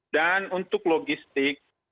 dan untuk logistik